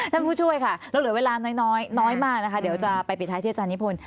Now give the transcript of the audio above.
ท่านผู้ช่วยค่ะเหลือเวลาน้อยได้มากนะคะเดี๋ยวจะไปเป็นใจที่อาจารย์นิพล